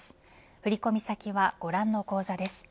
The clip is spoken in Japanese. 振り込み先はご覧の口座です。